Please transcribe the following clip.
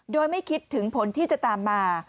โดยไม่คิดถึงผลที่จะตามมา